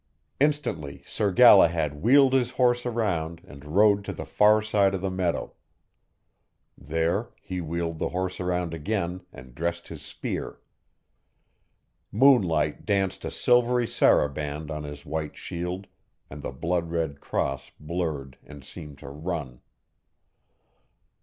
Instantly, Sir Galahad wheeled his horse around and rode to the far side of the meadow. There, he wheeled the horse around again and dressed his spear. Moonlight danced a silvery saraband on his white shield, and the blood red cross blurred and seemed to run.